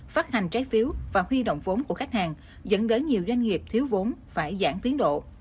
phát hành trái phiếu và huy động vốn của khách hàng dẫn đến nhiều doanh nghiệp thiếu vốn phải giãn tiến độ